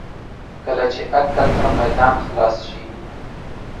کله چې عقل ته میدان خلاص شي.